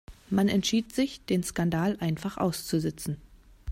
Man entschied sich, den Skandal einfach auszusitzen.